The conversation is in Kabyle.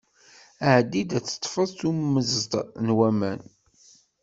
Ɛeddi-d ad d-teṭṭfeḍ tummeẓt n waman.